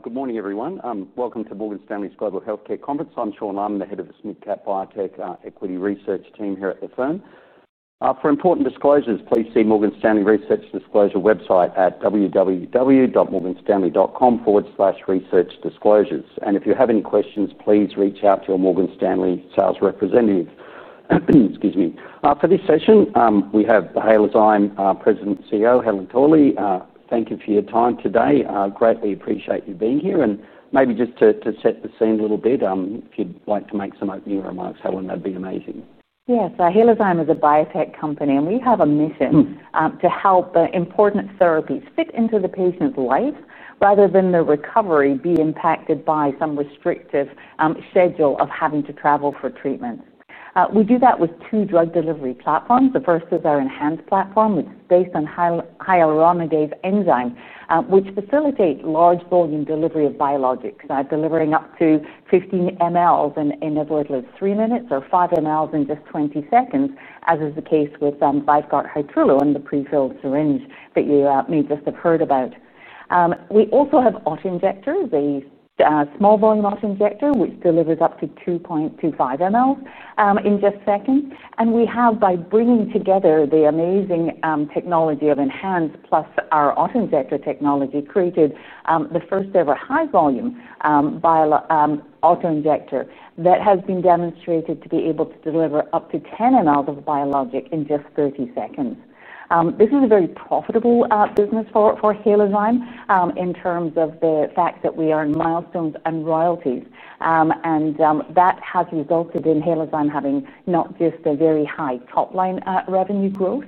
Good morning, everyone. Welcome to Morgan Stanley's Global Healthcare Conference. I'm Sean Laaman, the Head of the SmidCap Biotech Equity Research team here at the firm. For important disclosures, please see Morgan Stanley Research Disclosure website at www.morganstanley.com/research-disclosures. If you have any questions, please reach out to your Morgan Stanley sales representative. For this session, we have Dr. Helen Torley, President and CEO, Halozyme Therapeutics. Thank you for your time today. Greatly appreciate you being here. Maybe just to set the scene a little bit, if you'd like to make some opening remarks, Helen, that'd be amazing. Yes, Halozyme is a biotech company, and we have a mission to help important therapies fit into the patient's life rather than the recovery be impacted by some restrictive schedule of having to travel for treatment. We do that with two drug delivery platforms. The first is our ENHANZE platform, which is based on hyaluronidase enzymes, which facilitate large volume delivery of biologics, delivering up to 15 ml in, inevitably, three minutes or 5 ml in just 20 seconds, as is the case with Vyvgart Hytrulo on the prefilled syringe that you may just have heard about. We also have autoinjectors, a small volume autoinjector, which delivers up to 2.25 ml in just seconds. By bringing together the amazing technology of ENHANZE plus our autoinjector technology, we have created the first ever high volume autoinjector that has been demonstrated to be able to deliver up to 10 ml of biologic in just 30 seconds. This is a very profitable business for Halozyme in terms of the fact that we earn milestones and royalties. That has resulted in Halozyme having not just a very high top line revenue growth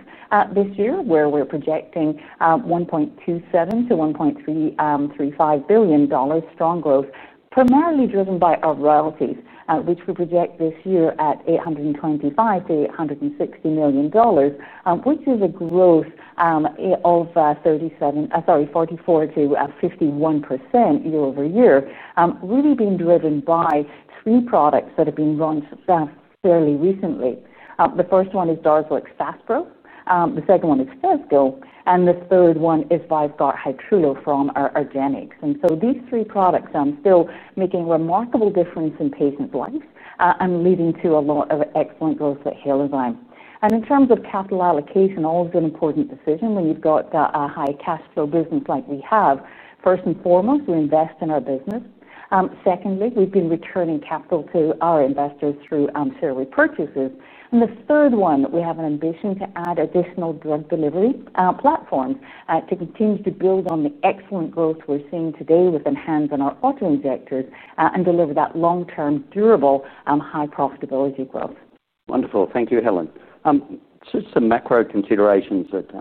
this year, where we're projecting $1.27 billion-$1.335 billion strong growth, primarily driven by our royalties, which we project this year at $825 million-$860 million, which is a growth of 44%-51% year-over-year, really being driven by three products that have been launched fairly recently. The first one is Darzalex Faspro, the second one is Phesgo, and the third one is Vyvgart Hytrulo from our partner argenx. These three products are still making a remarkable difference in patient lives and leading to a lot of excellent growth at Halozyme. In terms of capital allocation, always an important decision when you've got a high cash flow business like we have. First and foremost, you invest in our business. Secondly, we've been returning capital to our investors through share repurchases. The third one, we have an ambition to add additional drug delivery platforms to continue to build on the excellent growth we're seeing today with ENHANZE and our autoinjectors and deliver that long-term, durable, high profitability growth. Wonderful. Thank you, Helen. Just some macro considerations that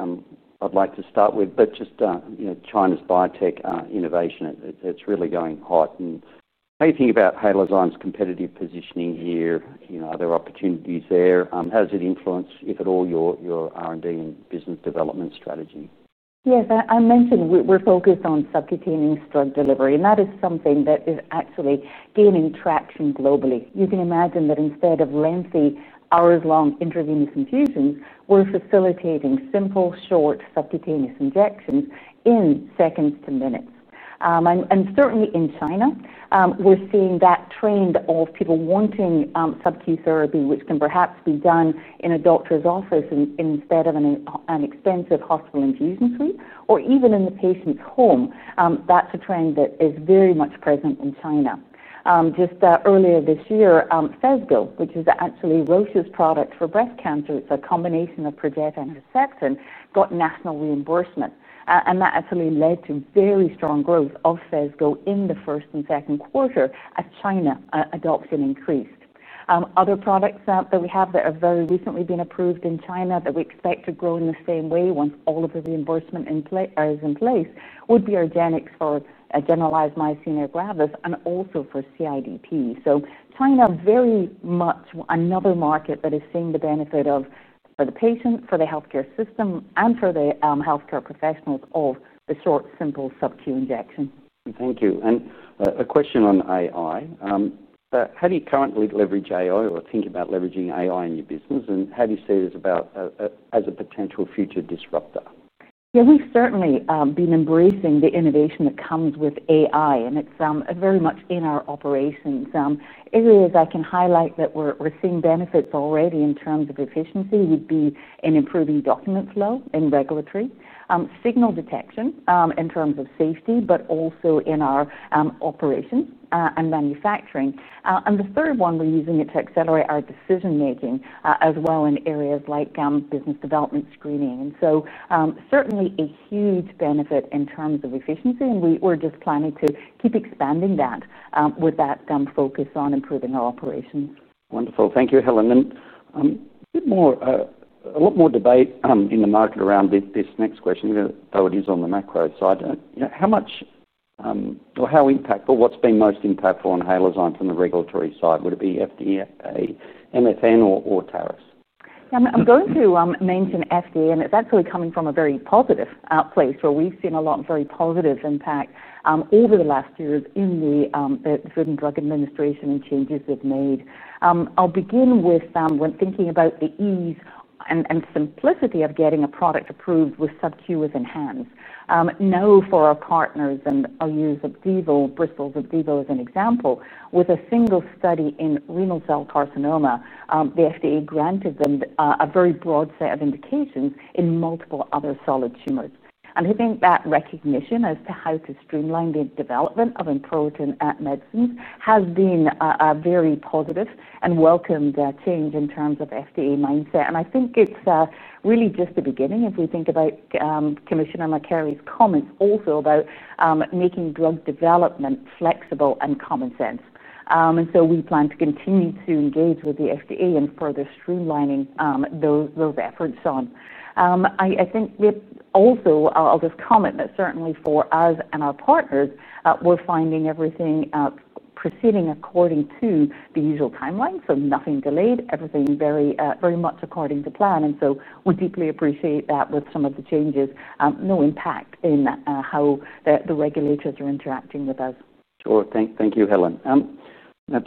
I'd like to start with. China's biotech innovation, it's really going hot. How do you think about Halozyme's competitive positioning here? Are there opportunities there? How does it influence, if at all, your R&D and business development strategy? Yes, I mentioned we're focused on subcutaneous drug delivery, and that is something that is actually gaining traction globally. You can imagine that instead of lengthy, hours-long intravenous infusions, we're facilitating simple, short subcutaneous injections in seconds to minutes. Certainly in China, we're seeing that trend of people wanting subcutaneous therapy, which can perhaps be done in a doctor's office instead of an expensive hospital infusion suite or even in the patient's home. That's a trend that is very much present in China. Just earlier this year, Phesgo, which is actually Roche's product for breast cancer, it's a combination of Perjeta and Herceptin, got national reimbursement. That actually led to very strong growth of Phesgo in the first and second quarter as China adopts and increases. Other products that we have that have very recently been approved in China that we expect to grow in the same way once all of the reimbursement is in place would be Vyvgart Hytrulo for generalized myasthenia gravis and also for CIDP. China is very much another market that is seeing the benefit for the patient, for the healthcare system, and for the healthcare professionals of the short, simple subcutaneous injection. Thank you. A question on artificial intelligence. How do you currently leverage artificial intelligence or think about leveraging artificial intelligence in your business? How do you see it as a potential future disruptor? Yeah, we've certainly been embracing the innovation that comes with artificial intelligence, and it's very much in our operations. Areas I can highlight that we're seeing benefits already in terms of efficiency would be in improving document flow and regulatory signal detection in terms of safety, but also in our operations and manufacturing. The third one, we're using it to accelerate our decision making as well in areas like business development screening. Certainly a huge benefit in terms of efficiency, and we're just planning to keep expanding that with that focus on improving our operations. Wonderful. Thank you, Helen. There is a lot more debate in the market around this next question that I would use on the macro side. How much or how impactful, what's been most impactful on Halozyme from the regulatory side? Would it be FDA, MSN, or TARIS? Yeah, I'm going to mention FDA, and it's actually coming from a very positive place where we've seen a lot of very positive impact over the last years in the Food and Drug Administration and changes they've made. I'll begin with when thinking about the ease and simplicity of getting a product approved with subcutaneous with ENHANZE. Known for our partners, and I'll use AbbVie or Bristol-Myers Squibb as an example, with a single study in renal cell carcinoma, the FDA granted them a very broad set of indications in multiple other solid tumors. I think that recognition as to how to streamline the development of important medicines has been very positive and welcomed change in terms of FDA mindset. I think it's really just the beginning if we think about Commissioner Makary comments also about making drug development flexible and commonsense. We plan to continue to engage with the FDA in further streamlining those efforts. I think that also, I'll just comment that certainly for us and our partners, we're finding everything proceeding according to the usual timeline. Nothing delayed, everything very much according to plan. We deeply appreciate that with some of the changes, no impact in how the regulators are interacting with us. Thank you, Helen.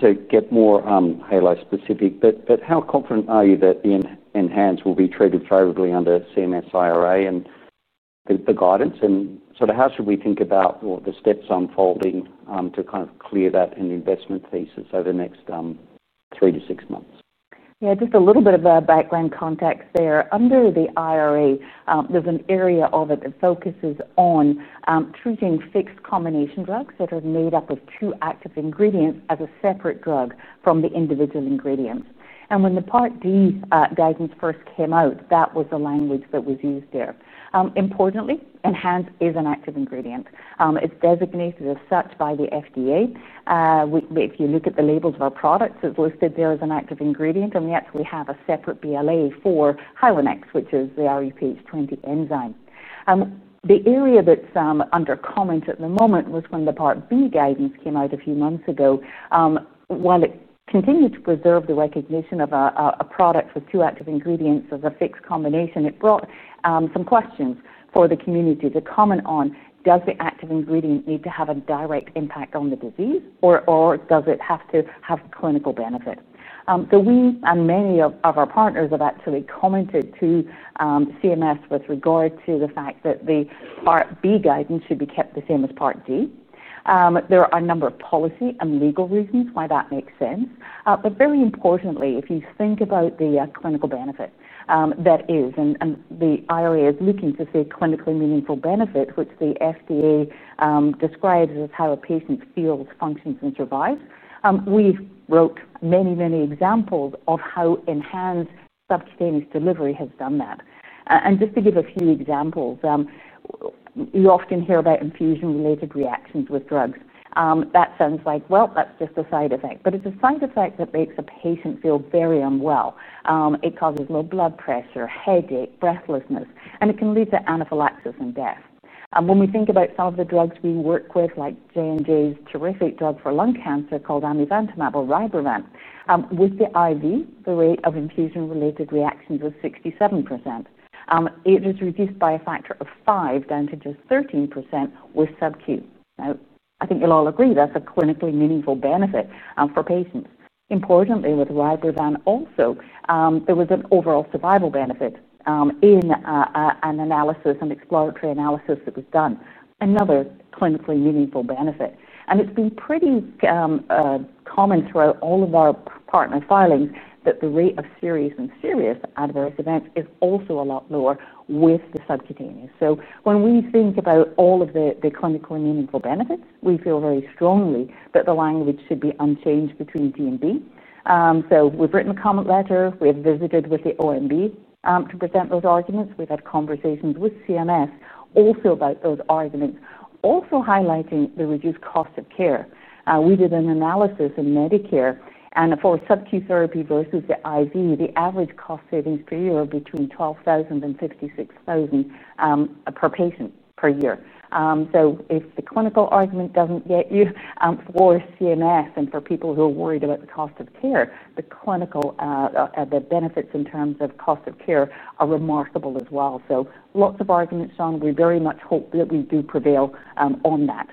To get more Helen specific, how confident are you that the ENHANZE will be treated favorably under CMS IRA and the guidance? How should we think about the steps unfolding to kind of clear that investment thesis over the next three to six months? Yeah, just a little bit of background context there. Under the Inflation Reduction Act (IRA), there's an area of it that focuses on treating fixed combination drugs that are made up of two active ingredients as a separate drug from the individual ingredient. When the Part D guidance first came out, that was the language that was used there. Importantly, ENHANZE is an active ingredient. It's designated as such by the FDA. If you look at the labels of our products, it's listed there as an active ingredient. Yet we have a separate BLA for Hylenex, which is the rHuPH20 enzyme. The area that's under comment at the moment was when the Part B guidance came out a few months ago. While it continued to preserve the recognition of a product with two active ingredients as a fixed combination, it brought some questions for the community to comment on, does the active ingredient need to have a direct impact on the disease or does it have to have clinical benefit? We and many of our partners have actually commented to CMS with regard to the fact that the Part B guidance should be kept the same as Part D. There are a number of policy and legal reasons why that makes sense. Very importantly, if you think about the clinical benefit that is, and the IRA is looking to see clinically meaningful benefit, which the FDA describes as how a patient feels, functions, and survives, we've wrote many, many examples of how ENHANZE subcutaneous delivery has done that. Just to give a few examples, you often hear about infusion-related reactions with drugs. That sounds like, well, that's just a side effect. It's a side effect that makes a patient feel very unwell. It causes low blood pressure, headache, breathlessness, and it can lead to anaphylaxis and death. When we think about some of the drugs we work with, like Johnson & Johnson's terrific drug for lung cancer called Amivantamab or Rybrevant with the IV, the rate of infusion-related reactions was 67%. It is reduced by a factor of five down to just 13% with subcutaneous. I think you'll all agree that's a clinically meaningful benefit for patients. Importantly, with Rybrevant also, there was an overall survival benefit in an analysis, an exploratory analysis that was done, another clinically meaningful benefit. It's been pretty common throughout all of our partner filings that the rate of serious and serious adverse events is also a lot lower with the subcutaneous. When we think about all of the clinically meaningful benefits, we feel very strongly that the language should be unchanged between D and B. We have written a comment letter. We have visited with the OMB to present those arguments. We have had conversations with CMS also about those arguments, also highlighting the reduced cost of care. We did an analysis in Medicare, and for subcutaneous therapy versus the IV, the average cost savings per year are between $12,000 and $56,000 per patient per year. If the clinical argument does not get you for CMS and for people who are worried about the cost of care, the clinical benefits in terms of cost of care are remarkable as well. Lots of arguments shown. We very much hope that we do prevail on that.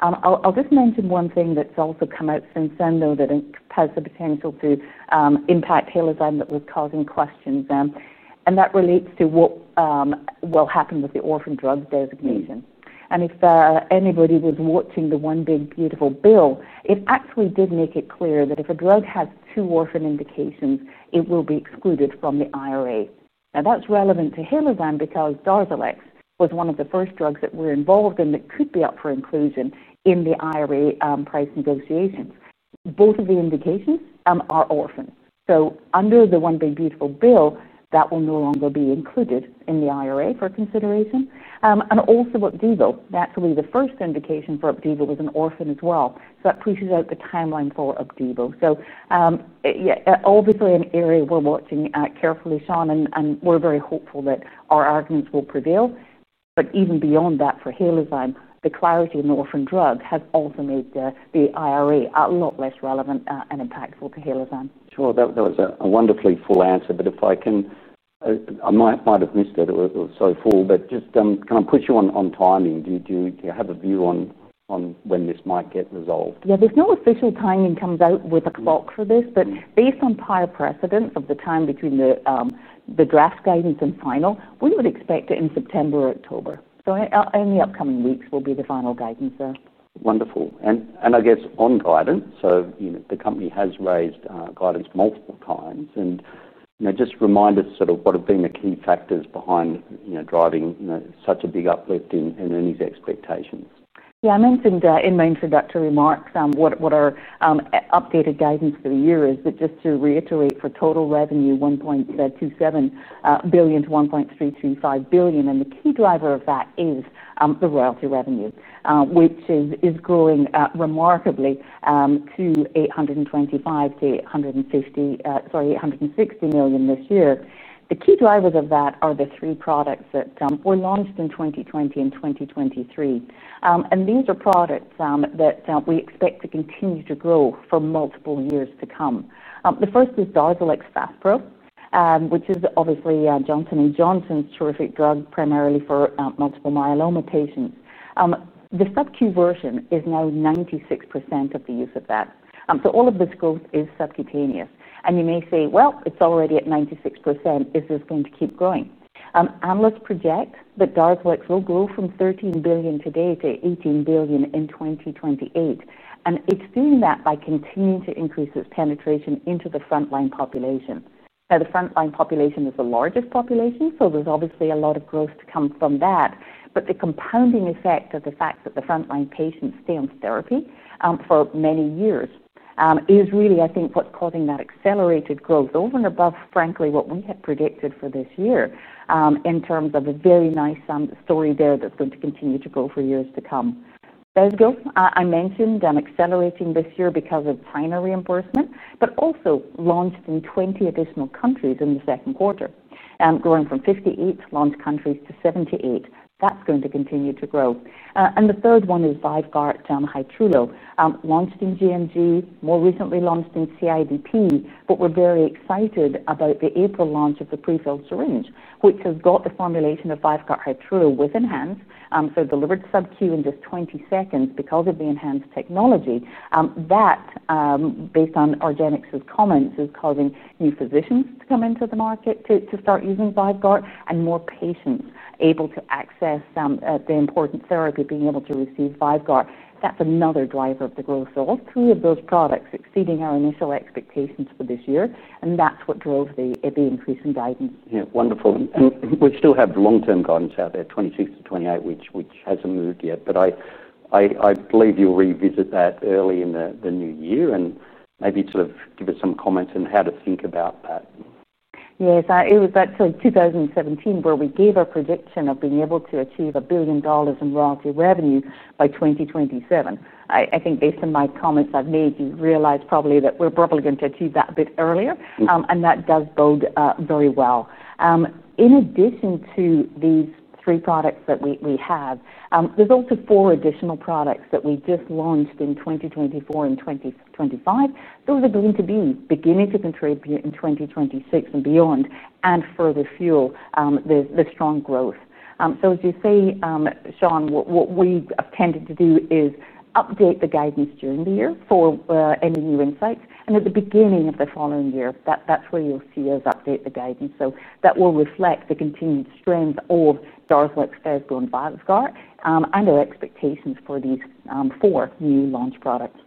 I'll just mention one thing that's also come out since then, though, that has the potential to impact Halozyme that was causing questions. That relates to what will happen with the orphan drug designation. If anybody was watching the one big beautiful bill, it actually did make it clear that if a drug has two orphan indications, it will be excluded from the IRA. That is relevant to Halozyme because Darzalex Faspro was one of the first drugs that we are involved in that could be up for inclusion in the IRA price negotiations. Both of the indications are orphan. Under the one big beautiful bill, that will no longer be included in the IRA for consideration. Also, Vyvgart Hytrulo. Naturally, the first indication for Vyvgart Hytrulo was an orphan as well. That pushes out the timeline for Vyvgart Hytrulo. Obviously, an area we're watching carefully, Sean, and we're very hopeful that our arguments will prevail. Even beyond that, for Halozyme, the clarity in the orphan drug has also made the IRA a lot less relevant and impactful to Halozyme. Sure, that was a wonderfully full answer. If I can, I might have missed it a little, so full, but just can I push you on timing? Do you have a view on when this might get resolved? Yeah, there's no official timing that comes out with a clock for this. Based on prior precedent of the time between the draft guidance and final, we would expect it in September or October. In the upcoming weeks, there will be the final guidance there. Wonderful. I guess on guidance, the company has raised guidance multiple times. Just remind us what have been the key factors behind driving such a big uplift in earnings expectations. Yeah, I mentioned in my introductory remarks what our updated guidance for the year is, but just to reiterate, for total revenue $1.27 billion-$1.325 billion. The key driver of that is the royalty revenue, which is growing remarkably to $825 million-$860 million this year. The key drivers of that are the three products that were launched in 2020 and 2023. These are products that we expect to continue to grow for multiple years to come. The first is Darzalex Faspro, which is obviously Johnson & Johnson's terrific drug primarily for multiple myeloma patients. The subcutaneous version is now 96% of the use of that. All of this growth is subcutaneous. You may say, it's already at 96%. Is this going to keep growing? Analysts project that Darzalex will grow from $13 billion today to $18 billion in 2028. It's doing that by continuing to increase its penetration into the frontline population. The frontline population is the largest population, so there's obviously a lot of growth to come from that. The compounding effect of the fact that the frontline patients stay on therapy for many years is really, I think, what's causing that accelerated growth over and above, frankly, what we had predicted for this year in terms of a very nice story there that's going to continue to grow for years to come. Phesgo, I mentioned, is accelerating this year because of China reimbursement, but also launched in 20 additional countries in the second quarter, growing from 58 launch countries to 78. That's going to continue to grow. The third one is Vyvgart Hytrulo, launched in CIDP, more recently launched in CIDP. We're very excited about the April launch of the prefilled syringe, which has got the formulation of Vyvgart Hytrulo with ENHANZE. Delivered subcutaneous in just 20 seconds because of the ENHANZE technology. That, based on argenx's comments, is causing new physicians to come into the market to start using Vyvgart and more patients able to access the important therapy, being able to receive Vyvgart. That's another driver of the growth. All three of those products are exceeding our initial expectations for this year, and that's what drove the increase in guidance. Yeah, wonderful. We still have long-term guidance out there, 26 to 28, which hasn't moved yet. I believe you'll revisit that early in the new year and maybe sort of give us some comment on how to think about that. Yes, it was about 2017 where we gave a prediction of being able to achieve $1 billion in royalty revenue by 2027. I think based on my comments I've made, you realize probably that we're probably going to achieve that a bit earlier. That does bode very well. In addition to these three products that we have, there's also four additional products that we just launched in 2024 and 2025. Those are going to be beginning to contribute in 2026 and beyond and further fuel the strong growth. As you say, Sean, what we have tended to do is update the guidance during the year for any new insights. At the beginning of the following year, that's where you'll see us update the guidance. That will reflect the continued strength of Darzalex Faspro, Phesgo, and Vyvgart Hytrulo and our expectations for these four new launch products.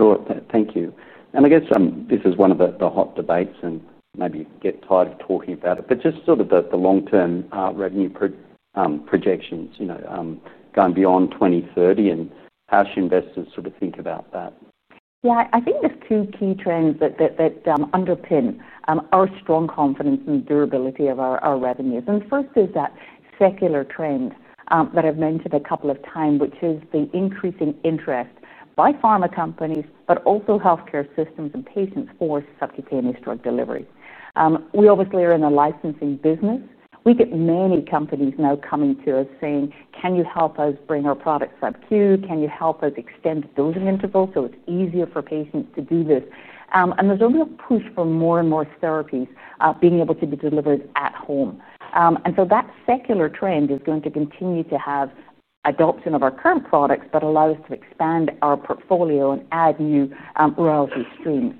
Sure, thank you. This is one of the hot debates, and maybe you get tired of talking about it, but just sort of the long-term revenue projections, you know, going beyond 2030, and how should investors sort of think about that? Yeah, I think there's two key trends that underpin our strong confidence in the durability of our revenues. The first is that secular trend that I've mentioned a couple of times, which is the increasing interest by pharma companies, but also healthcare systems and patients for subcutaneous drug delivery. We obviously are in a licensing business. We get many companies now coming to us saying, can you help us bring our products subcutaneous? Can you help us extend the dosing interval so it's easier for patients to do this? There's a real push for more and more therapies being able to be delivered at home. That secular trend is going to continue t have adoption of our current products, but allow us to expand our portfolio and add new royalty streams.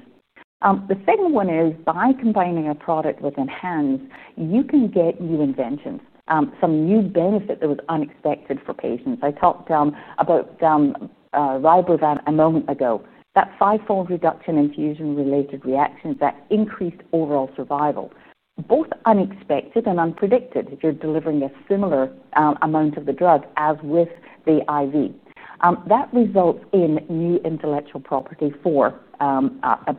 The second one is by combining a product with ENHANZE, you can get new inventions, some new benefits that were unexpected for patients. I talked about Phesgo a moment ago, that five-fold reduction in infusion-related reactions that increased overall survival, both unexpected and unpredicted if you're delivering a similar amount of the drug as with the IV. That results in new intellectual property for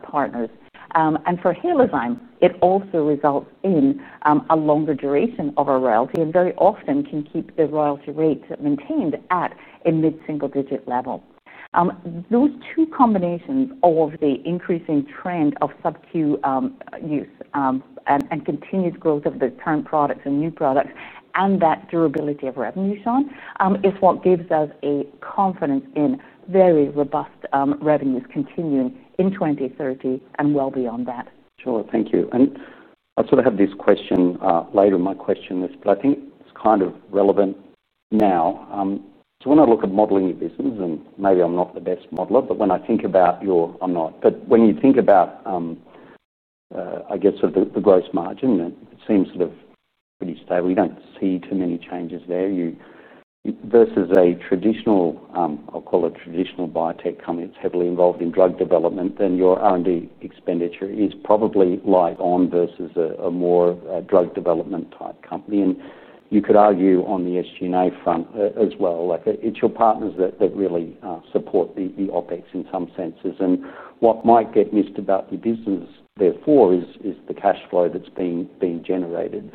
partners. For Halozyme, it also results in a longer duration of our royalty and very often can keep the royalty rates maintained at a mid-single-digit level. Those two combinations of the increasing trend of subcutaneous use and continued growth of the current products and new products and that durability of revenue, Sean, is what gives us confidence in very robust revenues continuing in 2030 and well beyond that. Sure, thank you. I sort of had this question later in my question list, but I think it's kind of relevant now. When I look at modeling your business, and maybe I'm not the best modeler, but when I think about your, I'm not, but when you think about, I guess, sort of the gross margin, it seems sort of pretty stable. You don't see too many changes there. You, versus a traditional, I'll call it a traditional biotech company that's heavily involved in drug development, then your R&D expenditure is probably light on versus a more drug development type company. You could argue on the SG&A front as well, like it's your partners that really support the OpEx in some senses. What might get missed about your business therefore is the cash flow that's being generated.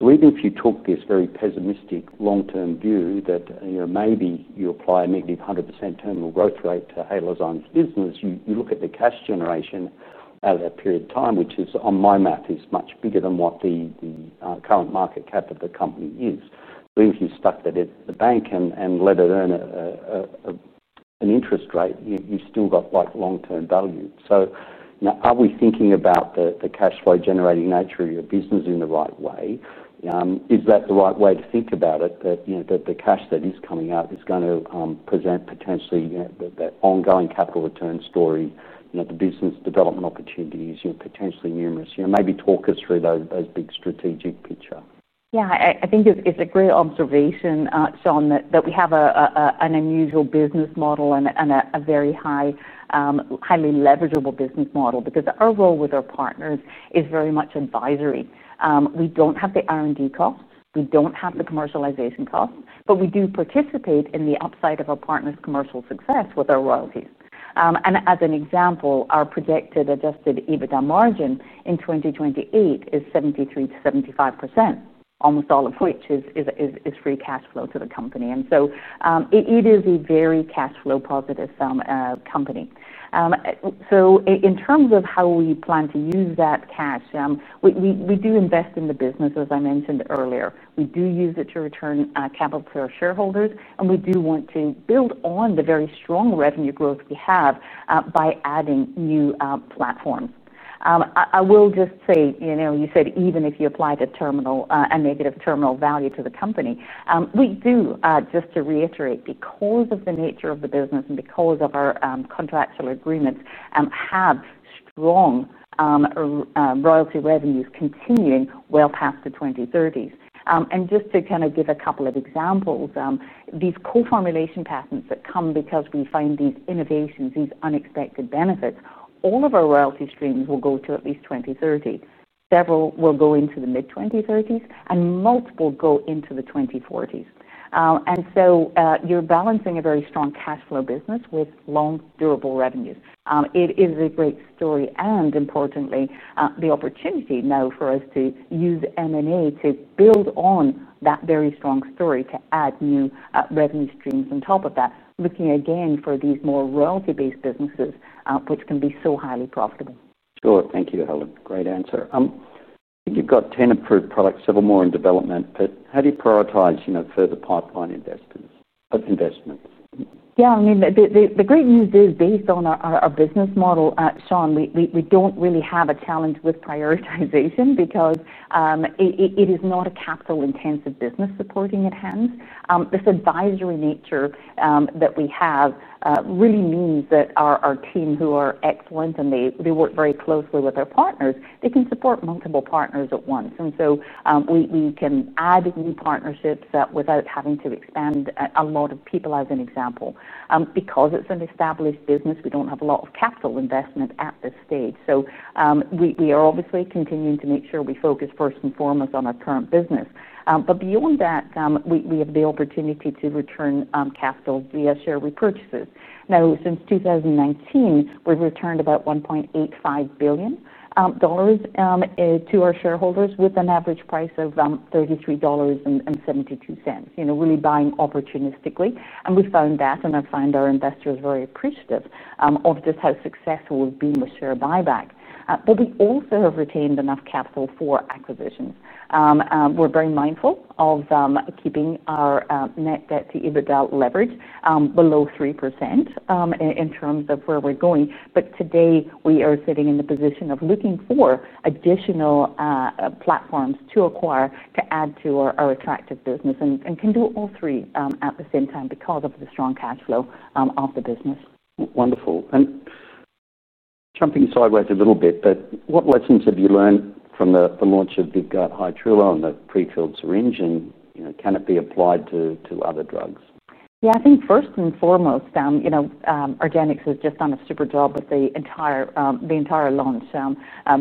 Even if you took this very pessimistic long-term view that maybe you apply a negative 100% terminal growth rate to Halozyme's business, you look at the cash generation at that period of time, which on my math is much bigger than what the current market cap of the company is. If you stuck that at the bank and let it earn an interest rate, you've still got like long-term value. Are we thinking about the cash flow generating nature of your business in the right way? Is that the right way to think about it, that the cash that is coming out is going to present potentially that ongoing capital return story and that the business development opportunity is potentially numerous? Maybe talk us through those big strategic pictures. Yeah, I think it's a great observation, Sean, that we have an unusual business model and a very highly leverageable business model because our role with our partners is very much advisory. We don't have the R&D cost. We don't have the commercialization cost, but we do participate in the upside of our partners' commercial success with our royalties. As an example, our predicted adjusted EBITDA margin in 2028 is 73%-75%, almost all of which is free cash flow to the company. It is a very cash flow positive company. In terms of how we plan to use that cash, we do invest in the business, as I mentioned earlier. We do use it to return capital to our shareholders, and we do want to build on the very strong revenue growth we have by adding new platforms. I will just say, you know, you said even if you apply a negative terminal value to the company, we do, just to reiterate, because of the nature of the business and because of our contractual agreements, have strong royalty revenues continuing well past the 2030s. Just to kind of give a couple of examples, these co-formulation patterns that come because we find these innovations, these unexpected benefits, all of our royalty streams will go to at least 2030. Several will go into the mid-2030s and multiple go into the 2040s. You're balancing a very strong cash flow business with long, durable revenues. It is a great story. Importantly, the opportunity now for us to use M&A to build on that very strong story to add new revenue streams on top of that, looking again for these more royalty-based businesses, which can be so highly profitable. Sure, thank you, Helen. Great answer. I think you've got 10 approved products, several more in development. How do you prioritize further pipeline investments? Yeah, I mean, the great news is based on our business model, Sean, we don't really have a challenge with prioritization because it is not a capital-intensive business supporting ENHANZE. This advisory nature that we have really means that our team, who are excellent and they work very closely with our partners, can support multiple partners at once. We can add new partnerships without having to expand a lot of people, as an example. Because it's an established business, we don't have a lot of capital investment at this stage. We are obviously continuing to make sure we focus first and foremost on our current business. Beyond that, we have the opportunity to return capital via share repurchases. Since 2019, we've returned about $1.85 billion to our shareholders with an average price of $33.72, really buying opportunistically. We found that, and I find our investors very appreciative of just how successful we've been with share buyback. We also have retained enough capital for acquisitions. We're very mindful of keeping our net debt to EBITDA leverage below 3% in terms of where we're going. Today, we are sitting in the position of looking for additional platforms to acquire to add to our attractive business and can do all three at the same time because of the strong cash flow of the business. Wonderful. Jumping sideways a little bit, what lessons have you learned from the launch of Vyvgart Hytrulo on the prefilled syringe? Can it be applied to other drugs? Yeah, I think first and foremost, argenx has just done a super job with the entire launch,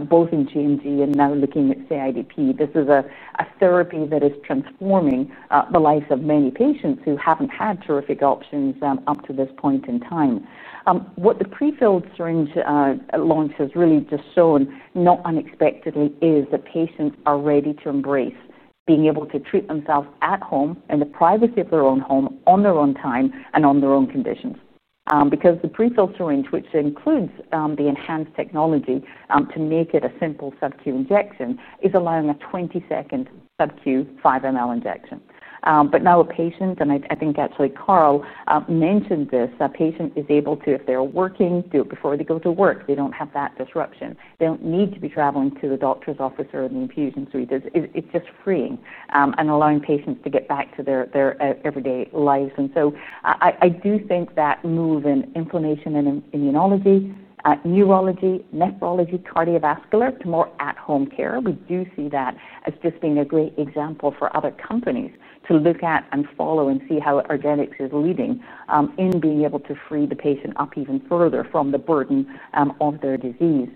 both in Johnson & Johnson and now looking at CIDP. This is a therapy that is transforming the lives of many patients who haven't had terrific options up to this point in time. What the prefilled syringe launch has really just shown, not unexpectedly, is that patients are ready to embrace being able to treat themselves at home in the privacy of their own home, on their own time, and on their own conditions. The prefilled syringe, which includes the ENHANZ technology to make it a simple subcutaneous injection, is allowing a 20-second subcutaneous 5 ml injection. Now a patient, and I think actually Carl mentioned this, that patient is able to, if they're working, do it before they go to work. They don't have that disruption. They don't need to be traveling to the doctor's office or in the infusion suite. It's just freeing and allowing patients to get back to their everyday lives. I do think that move in inflammation and immunology, neurology, nephrology, cardiovascular to more at-home care, we do see that as just being a great example for other companies to look at and follow and see how argenx is leading in being able to free the patient up even further from the burden of their disease.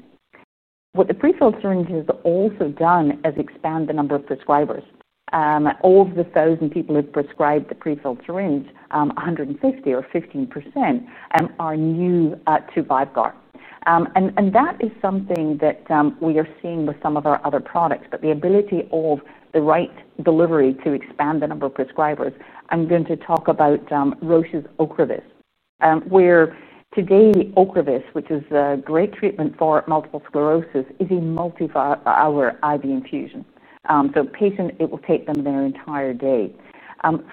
What the prefilled syringe has also done is expand the number of prescribers. Of the 1,000 people who have prescribed the prefilled syringe, 150 or 15% are new to Vyvgart Hytrulo. That is something that we are seeing with some of our other products. The ability of the right delivery to expand the number of prescribers, I'm going to talk about Roche's Ocrevus, where today the Ocrevus, which is a great treatment for multiple sclerosis, is a multi-hour IV infusion. The patient, it will take them their entire day.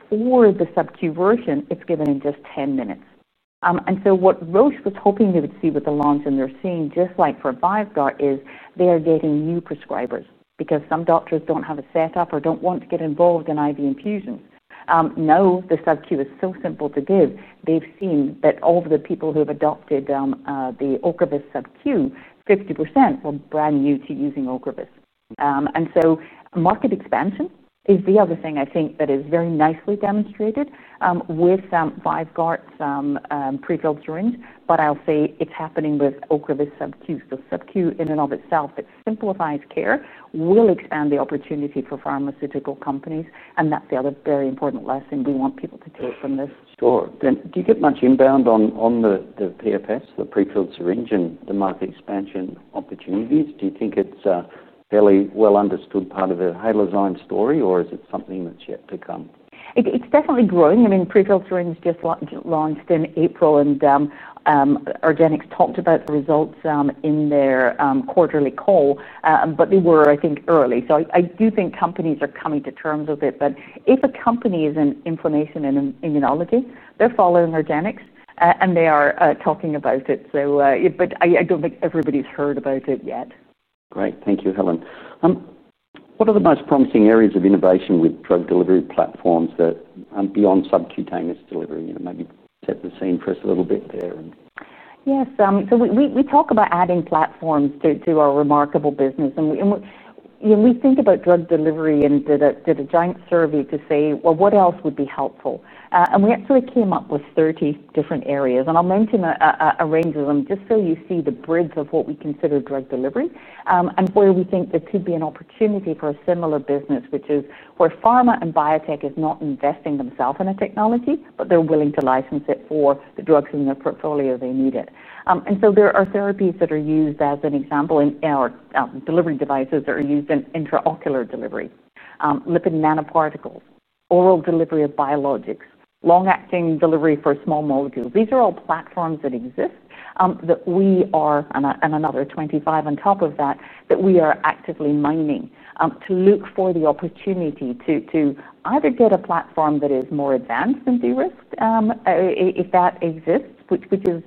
For the subcutaneous version, it's given in just 10 minutes. Roche was hoping they would see with the launch and they're seeing just like for Vyvgart Hytrulo is they are getting new prescribers because some doctors don't have a setup or don't want to get involved in IV infusions. Now the subcutaneous is so simple to give. They've seen that all of the people who have adopted the Ocrevus subcutaneous, 50% were brand new to using Ocrevus. Market expansion is the other thing I think that is very nicely demonstrated with Vyvgart Hytrulo's prefilled syringe. I'll say it's happening with Ocrevus subcutaneous. Subcutaneous in and of itself, it simplifies care, will expand the opportunity for pharmaceutical companies, and that's the other very important lesson we want people to take from this. Sure. Do you get much inbound on the prefilled syringe, and the market expansion opportunities? Do you think it's a fairly well understood part of the Halozyme story, or is it something that's yet to come? It's definitely growing. I mean, prefilled syringe just launched in April, and argenx talked about the results in their quarterly call. They were, I think, early. I do think companies are coming to terms with it. If a company is in inflammation and immunology, they're following argenx, and they are talking about it. I don't think everybody's heard about it yet. Great. Thank you, Helen. What are the most promising areas of innovation with drug delivery platforms that aren't beyond subcutaneous delivery? Maybe set the scene for us a little bit there. Yes, we talk about adding platforms to our remarkable business. We think about drug delivery and did a joint survey to say what else would be helpful. We actually came up with 30 different areas. I'll mention a range of them just so you see the breadth of what we consider drug delivery and where we think there could be an opportunity for a similar business, which is where pharma and biotech is not investing themselves in a technology, but they're willing to license it for the drugs in their portfolio if they need it. There are therapies that are used, as an example, in our delivery devices that are used in intraocular delivery, lipid nanoparticles, oral delivery of biologics, long-acting delivery for small molecules. These are all platforms that exist, and another 25 on top of that, that we are actively mining to look for the opportunity to either get a platform that is more advanced than DRisk, if that exists, which is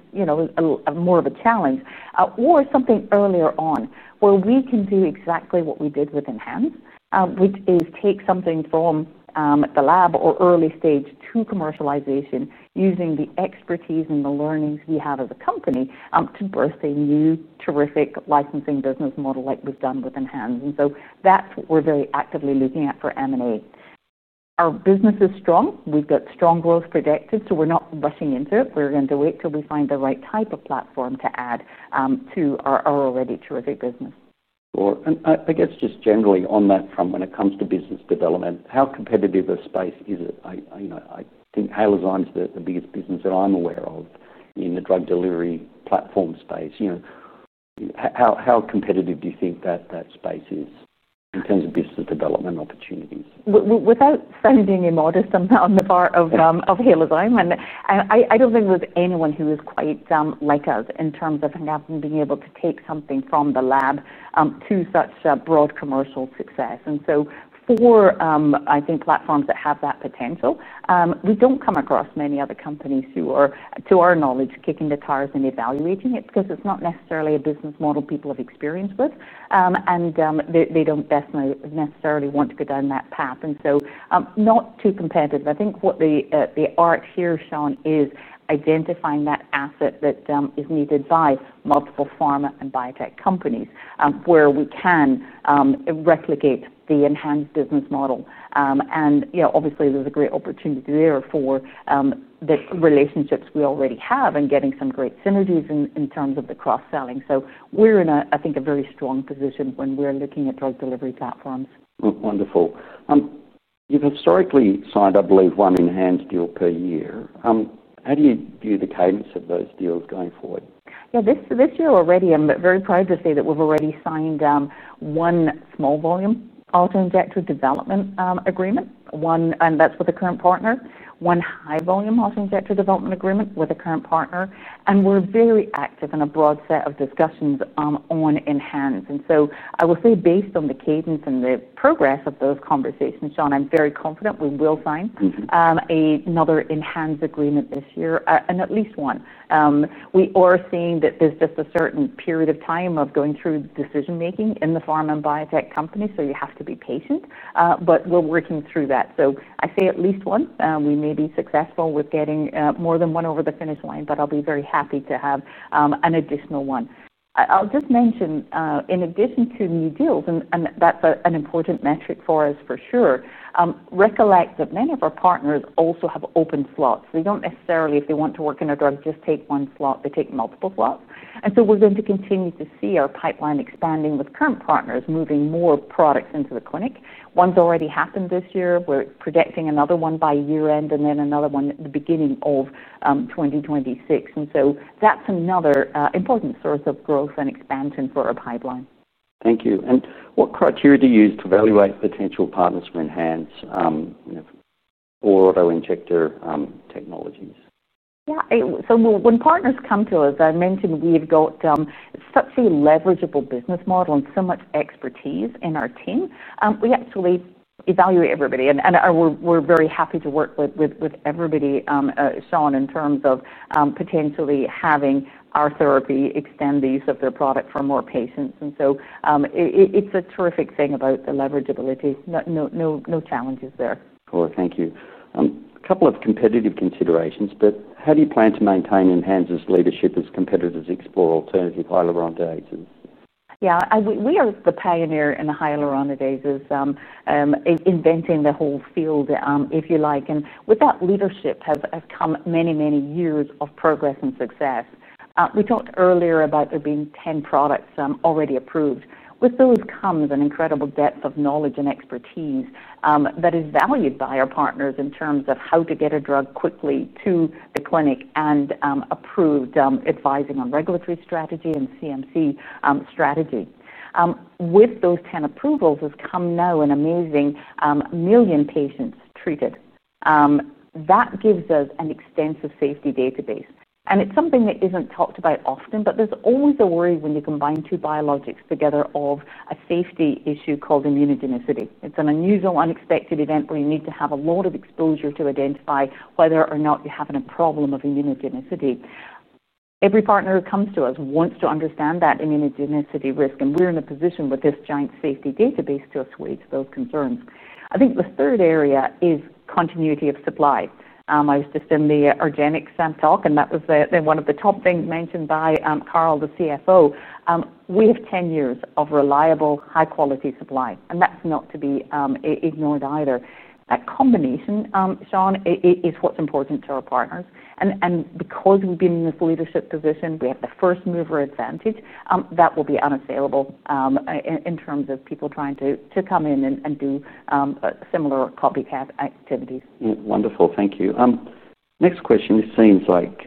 more of a challenge, or something earlier on where we can do exactly what we did with ENHANZE, which is take something from the lab or early stage to commercialization using the expertise and the learnings we have as a company to birth a new terrific licensing business model like we've done with ENHANZE. That's what we're very actively looking at for M&A. Our business is strong. We've got strong growth projected, so we're not rushing into it. We're going to wait till we find the right type of platform to add to our already terrific business. Sure. I guess just generally on that front, when it comes to business development, how competitive a space is it? I think Halozyme is the biggest business that I'm aware of in the drug delivery platform space. How competitive do you think that space is in terms of business development opportunities? Without being modest on the part of Dr. Helen Torley, I don't think there's anyone who is quite like us in terms of being able to take something from the lab to such broad commercial success. For platforms that have that potential, we don't come across many other companies who are, to our knowledge, kicking the tires and evaluating it because it's not necessarily a business model people have experience with. They don't necessarily want to go down that path. Not too competitive. I think what the art here, Sean, is identifying that asset that is needed by multiple pharma and biotech companies where we can replicate the ENHANZE business model. Yeah, obviously, there's a great opportunity there for the relationships we already have and getting some great synergies in terms of the cross-selling. We're in a very strong position when we're looking at drug delivery platforms. Wonderful. You've historically signed, I believe, one ENHANZE deal per year. How do you view the cadence of those deals going forward? Yeah, this year already, I'm very proud to say that we've already signed one small volume alternate active development agreement, and that's with a current partner, one high volume alternate active development agreement with a current partner. We're very active in a broad set of discussions on ENHANZE. I will say based on the cadence and the progress of those conversations, Sean, I'm very confident we will sign another ENHANZE agreement this year, at least one. We are seeing that there's just a certain period of time of going through decision making in the pharma and biotech companies. You have to be patient, but we're working through that. I say at least one. We may be successful with getting more than one over the finish line, but I'll be very happy to have an additional one. I'll just mention, in addition to new deals, and that's an important metric for us for sure, recollect that many of our partners also have open slots. They don't necessarily, if they want to work in a drug, just take one slot. They take multiple slots. We're going to continue to see our pipeline expanding with current partners, moving more products into the clinic. One's already happened this year. We're projecting another one by year end and then another one at the beginning of 2026. That's another important source of growth and expansion for our pipeline. Thank you. What criteria do you use to evaluate potential partners for ENHANZE or autoinjector technologies? Yeah, when partners come to us, I mentioned we've got such a leverageable business model and so much expertise in our team. We actually evaluate everybody, and we're very happy to work with everybody, Sean, in terms of potentially having our therapy extend the use of the product for more patients. It's a terrific thing about the leverageability. No challenges there. All right, thank you. A couple of competitive considerations, but how do you plan to maintain ENHANZE's leadership as competitors explore alternative hyaluronidase? Yeah, we are the pioneer in the hyaluronidase, inventing the whole field, if you like. With that leadership have come many, many years of progress and success. We talked earlier about there being 10 products already approved. With those comes an incredible depth of knowledge and expertise that is valued by our partners in terms of how to get a drug quickly to the clinic and approved, advising on regulatory strategy and CMC strategy. With those 10 approvals, we've come now an amazing million patients treated. That gives us an extensive safety database. It's something that isn't talked about often, but there's always a worry when you combine two biologics together of a safety issue called immunogenicity. It's an unusual, unexpected event where you need to have a lot of exposure to identify whether or not you're having a problem of immunogenicity. Every partner who comes to us wants to understand that immunogenicity risk, and we're in a position with this giant safety database to assuage those concerns. I think the third area is continuity of supply. I was just in the argenx talk, and that was one of the top things mentioned by Carl, the CFO. We have 10 years of reliable, high-quality supply, and that's not to be ignored either. That combination, Sean, is what's important to our partners. Because we've been in this leadership position, we have the first mover advantage. That will be unassailable in terms of people trying to come in and do similar copycat activities. Wonderful, thank you. Next question, this seems like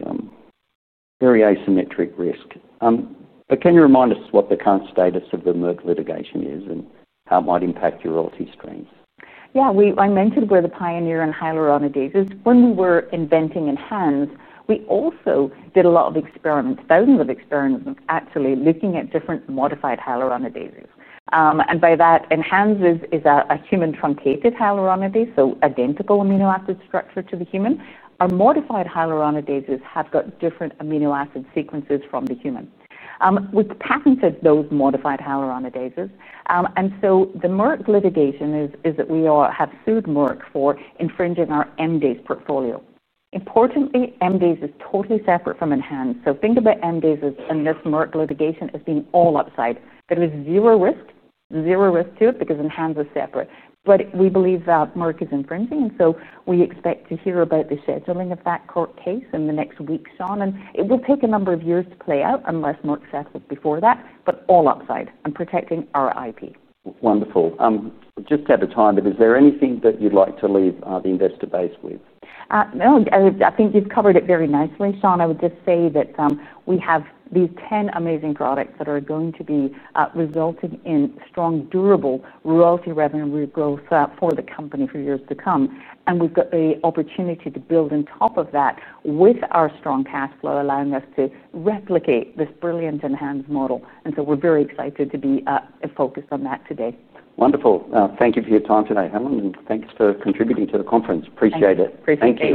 very asymmetric risk. Can you remind us what the current status of the Merck litigation is and how it might impact your royalty streams? Yeah, I mentioned we're the pioneer in hyaluronidase. When we were inventing ENHANZE, we also did a lot of experiments, thousands of experiments, actually looking at different modified hyaluronidases. By that, ENHANZE is a human truncated hyaluronidase, so an identical amino acid structure to the human. Our modified hyaluronidases have got different amino acid sequences from the human. We've patented those modified hyaluronidases. The Merck litigation is that we have sued Merck for infringing our rHuPH20 enzyme portfolio. Importantly, rHuPH20 enzyme is totally separate from ENHANZE. Think about rHuPH20 enzyme, and this Merck litigation is being all upside. There is zero risk, zero risk to it because ENHANZE is separate. We believe that Merck is infringing, and we expect to hear about the scheduling of that court case in the next week, Sean. It will take a number of years to play out unless Merck settles before that, but all upside and protecting our intellectual property. Wonderful. Just out of time, is there anything that you'd like to leave the investor base with? No, I think you've covered it very nicely, Sean. I would just say that we have these 10 amazing products that are going to be resulting in strong, durable royalty revenue growth for the company for years to come. We've got the opportunity to build on top of that with our strong cash flow, allowing us to replicate this brilliant ENHANZE model. We are very excited to be focused on that today. Wonderful. Thank you for your time today, Helen. Thank you for contributing to the conference. Appreciate it. Thank you.